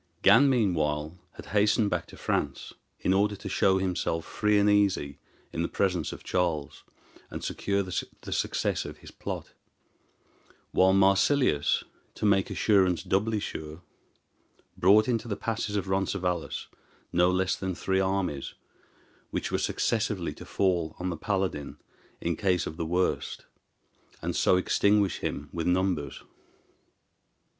Gan, meanwhile, had hastened back to France, in order to show himself free and easy in the presence of Charles, and secure the success of his plot; while Marsilius, to make assurance doubly sure, brought into the passes of Roncesvalles no less than three armies, which were successively to fall on the paladin in case of the worst, and so extinguish him with numbers.